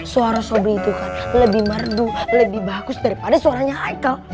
suara sobri itu kan lebih merdu lebih bagus daripada suaranya haikal